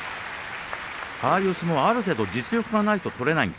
ああいう相撲はある程度実力がないと取れない。